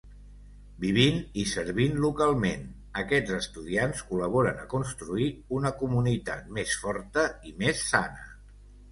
Vivint i servint localment, aquests estudiants col·laboren a construir una comunitat més forta i més sana.